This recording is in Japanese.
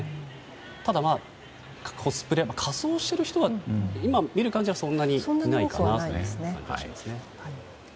ただコスプレ、仮装している人は今見る感じはそんなにいないかなと。